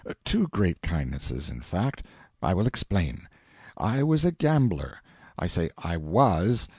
Two great kindnesses in fact. I will explain. I was a gambler. I say I WAS.